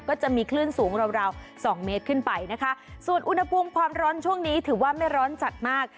ก็จะมีคลื่นสูงราวราวสองเมตรขึ้นไปนะคะส่วนอุณหภูมิความร้อนช่วงนี้ถือว่าไม่ร้อนจัดมาก